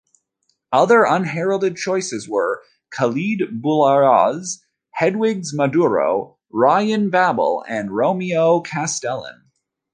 Other unheralded choices were Khalid Boulahrouz, Hedwiges Maduro, Ryan Babel and Romeo Castelen.